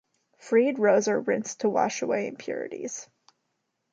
Freed roes are rinsed to wash away impurities.